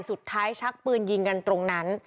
สุดท้ายฉากปืนยิงกันตรงนั้น